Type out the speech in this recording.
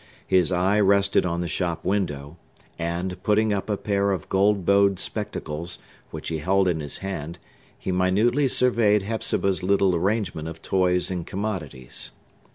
His eye rested on the shop window, and putting up a pair of gold bowed spectacles, which he held in his hand, he minutely surveyed Hepzibah's little arrangement of toys and commodities.